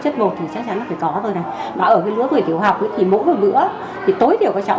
chất bột thì chắc chắn phải có rồi này mà ở cái lúa tuổi tiểu học thì mỗi bữa thì tối tiểu có cháu